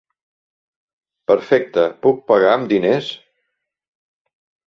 Perfecte, puc pagar amb diners?